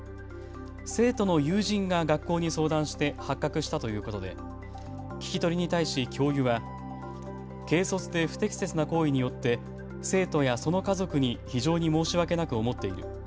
生徒の友人が学校に相談して発覚したということで聞き取りに対し教諭は、軽率で不適切な行為によって生徒やその家族に非常に申し訳なく思っている。